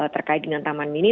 terkait dengan taman mini